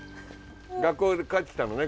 学校帰ってきたのね